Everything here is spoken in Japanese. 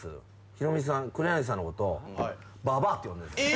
ヒロミさん黒柳さんのこと「ババア」って呼んでるんすよ。